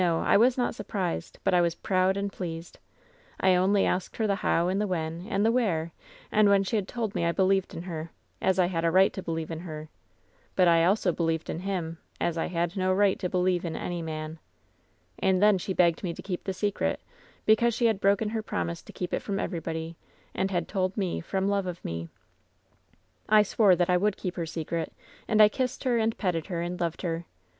I was not surprised, but I was proud and pleased. I only asked her the how and the when, and the where, and when she had told me I believed in her, as I had a right to believe in her, but I also believed in him, as I had no right to believe in any man. "And then she begged me to keep the secret, because 280 LOVE'S BITTEREST CUP she had broken her promise to keep it from everybody, and had told me, from love of me. *T[ swore that I would keep her secret, and I kissed her, and petted her, and loved her.